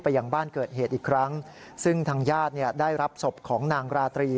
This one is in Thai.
ยังบ้านเกิดเหตุอีกครั้งซึ่งทางญาติเนี่ยได้รับศพของนางราตรี